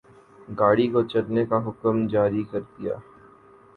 گاڑی کو چلنے کا حکم جاری کر دیا